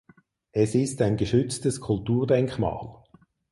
Es ist ein geschütztes Kulturdenkmal.